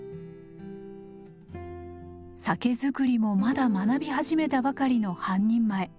酒造りもまだ学び始めたばかりの半人前。